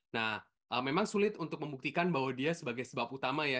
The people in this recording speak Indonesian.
nah memang sulit untuk membuktikan bahwa dia sebagai sebab utama ya